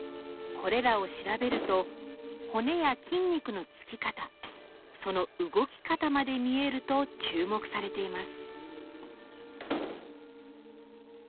これらを調べると骨や筋肉のつき方その動き方まで見えると注目されています。